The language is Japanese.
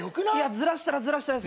ずらしたらずらしたで。